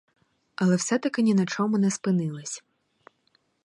Але все-таки ні на чому не спинилась.